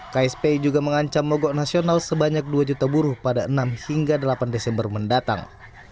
kspi juga mengancam mogok nasional sebanyak dua juta buruh pada enam hingga delapan desember mendatang